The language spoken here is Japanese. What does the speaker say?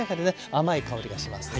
甘い香りがしますね。